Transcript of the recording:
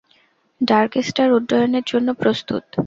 Darkstar উড্ডয়নের জন্য প্রস্তুত।